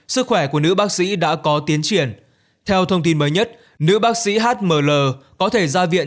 sức khỏe của nữ bác sĩ đã có tiến triển theo thông tin mới nhất nữ bác sĩ hml có thể ra viện